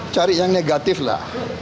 cari yang negatif lah